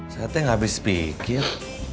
saya tidak habis berpikir